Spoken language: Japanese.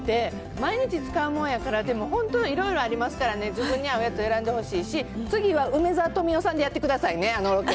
毎日使うもんやから、でも本当にいろいろありますからね、自分に合うやつ選んでほしいし、次は梅沢富美男さんでやってくださいね、あのロケ。